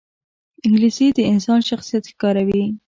انګلیسي د انسان شخصیت ښکاروي